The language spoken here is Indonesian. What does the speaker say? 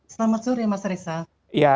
selamat sore mas risa